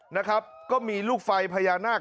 นะครับก็มีลูกไฟพญานาค